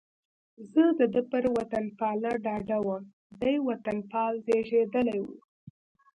زه د ده پر وطنپالنه ډاډه وم، دی وطنپال زېږېدلی و.